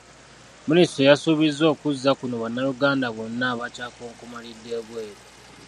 Minisitule yasuubizza okuzza kuno bannayuganda bonna abakyakonkomalidde ebweru.